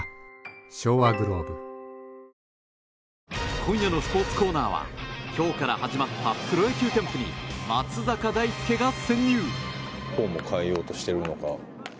今夜のスポーツコーナーは今日から始まったプロ野球キャンプに松坂大輔が潜入！